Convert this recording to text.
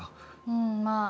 うんまあ。